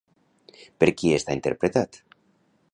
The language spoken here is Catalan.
Per qui està interpretat?